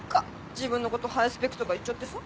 自分のことハイスペックとか言っちゃってさ。